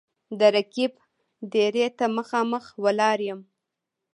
د رقیب دېرې ته مـــخامخ ولاړ یـــــم